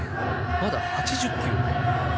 まだ８０球。